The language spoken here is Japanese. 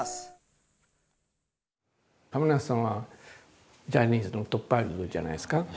亀梨さんはジャニーズのトップアイドルじゃないですか。